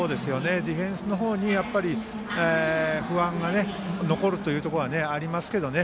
ディフェンスの方に不安が残るところはありますけどね。